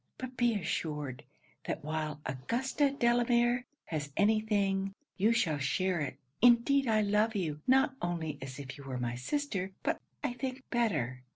But be assured, that while Augusta Delamere has any thing, you shall share it. Indeed I love you, not only as if you were my sister, but, I think, better.